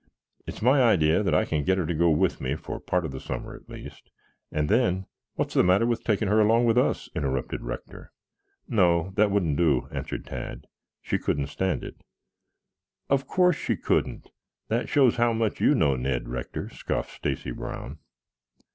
"It is my idea that I can get her to go with me, for part of the summer at least, and then " "What's the matter with taking her along with us?" interrupted Rector. "No, that wouldn't do," answered Tad. "She couldn't stand it." "Of course she couldn't. That shows how much you know, Ned Rector," scoffed Stacy Brown.